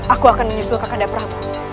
aku akan menyusul ke kandap prabu